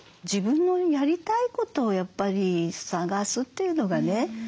自分のやりたいことをやっぱり探すっていうのがね。